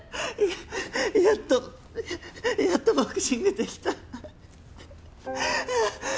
やっとやっとボクシングできた。